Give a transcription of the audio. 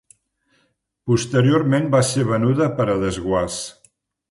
Posteriorment va ser venuda per a desguàs.